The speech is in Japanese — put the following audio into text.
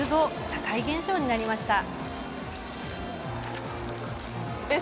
社会現象になりました。